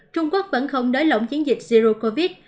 trung quốc vẫn không nới lỏng chiến dịch zero covid